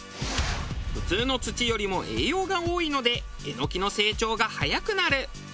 普通の土よりも栄養が多いのでエノキの成長が早くなる。